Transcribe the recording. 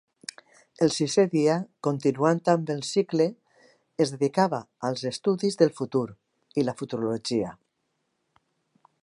El sisè dia, continuant amb el cicle, es dedicava als estudis del futur i la futurologia.